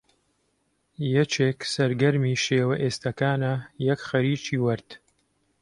یەکێک سەرگەرمی شێوە ئێستەکانە، یەک خەریکی وەرد